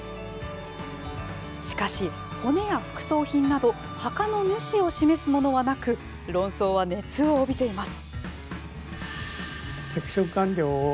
しかし、骨や副葬品など墓の主を示すものはなく論争は熱を帯びています。